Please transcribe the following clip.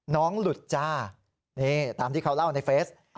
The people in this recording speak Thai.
หลุดจ้านี่ตามที่เขาเล่าในเฟซ